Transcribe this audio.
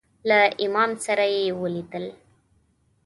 له امام سره یې ولیدل.